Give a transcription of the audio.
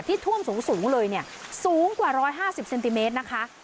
ที่ท่วมสูงเลยเนี่ยสูงกว่าร้อยห้าสิบเซนติเมตรนะคะ